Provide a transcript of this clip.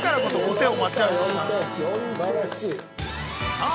◆さあ、